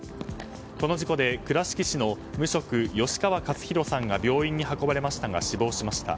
この事故で倉敷市の無職、吉川勝廣さんが病院に運ばれましたが死亡しました。